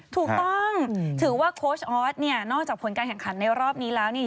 ถูกต้องถือว่าโค้ชออสเนี่ยนอกจากผลการแข่งขันในรอบนี้แล้วเนี่ย